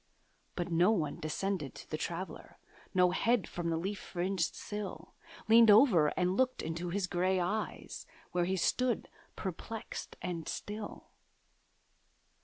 But no one descended to the Traveller; No head from the leaf fringed sill Leaned over and looked into his grey eyes, Where he stood perplexed and still.